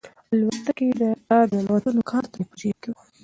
الوتکې ته د ننوتلو کارت مې په جیب کې و.